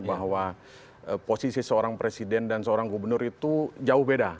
bahwa posisi seorang presiden dan seorang gubernur itu jauh beda